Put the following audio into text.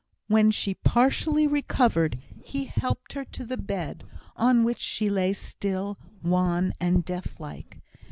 When she partially recovered, he helped her to the bed, on which she lay still, wan and death like.